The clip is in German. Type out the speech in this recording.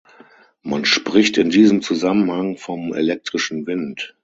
Man spricht in diesem Zusammenhang vom „elektrischen Wind“.